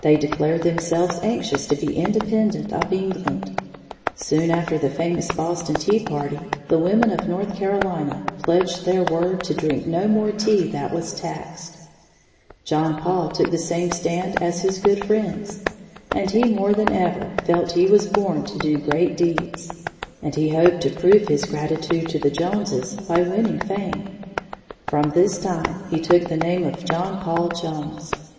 They declared themselves anxious to be independent of England. Soon after the famous Boston Tea party, the women of North Carolina pledged their word to drink no more tea that was taxed. John Paul took the same stand as his good friends. And he more than ever felt he was born to do great deeds. And he hoped to prove his gratitude to the Joneses by winning fame. From this time he took the name of John Paul Jones.